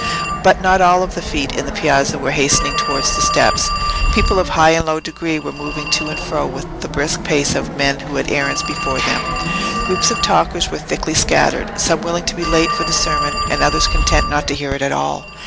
But not all the feet in the Piazza were hastening towards the steps. People of high and low degree were moving to and fro with the brisk pace of men who had errands before them; groups of talkers were thickly scattered, some willing to be late for the sermon, and others content not to hear it at all.